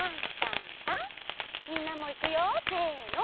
みんなもいくよせの。